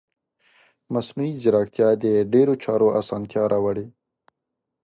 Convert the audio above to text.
مصنوعي ځیرکتیا د ډیرو چارو اسانتیا راوړي.